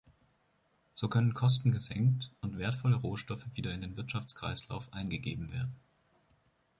So können Kosten gesenkt und wertvolle Rohstoffe wieder in den Wirtschaftskreislauf eingegeben werden.